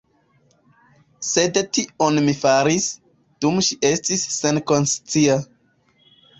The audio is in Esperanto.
Sed tion mi faris, dum ŝi estis senkonscia.